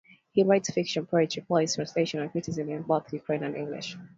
He writes fiction, poetry, plays, translations, and criticism in both Ukrainian and English.